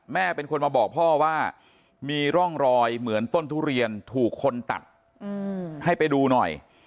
แม่เป็นคนมาบอกพ่อว่ามีร่องรอยเหมือนต้นทุเรียนถูกคนตัดให้ไปดูหน่อย